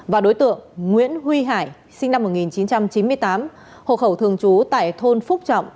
và đối tượng nguyễn huy hải sinh năm một nghìn chín trăm chín mươi tám hộ khẩu thường trú tại thôn phúc trọng